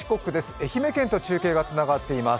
愛媛県と中継がつながっています。